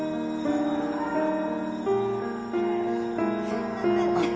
すいません